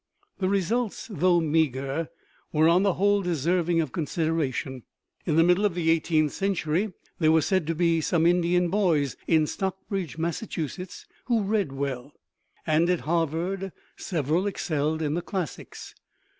The results, though meagre, were on the whole deserving of consideration. In the middle of the eighteenth century there were said to be some Indian boys in Stockbridge, Mass., who "read English well," and at Harvard several excelled in the classics.